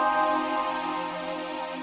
ada apa ini